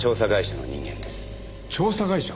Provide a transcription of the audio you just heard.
調査会社？